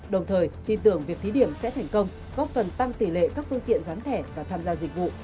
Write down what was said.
đồng thời tin tưởng việc thí điểm sẽ thành công góp phần tăng tỷ lệ các phương tiện gián thẻ và tham gia dịch vụ